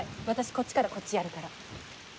私、こっちから、こっちやるから。